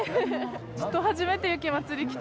ちょっと初めて雪まつり来た